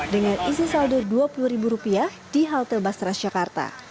dengan isi saldo rp dua puluh di halte basras jakarta